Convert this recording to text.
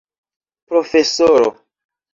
profesoro